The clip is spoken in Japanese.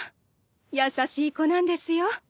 優しい子なんですよ。